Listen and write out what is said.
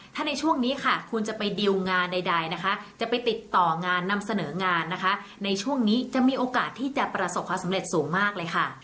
ถ้าในช่วงนี้ค่ะคุณจะไปดิวงานใดนะคะจะไปติดต่องานนำเสนองานนะคะในช่วงนี้จะมีโอกาสที่จะประสบความสำเร็จสูงมากเลยค่ะ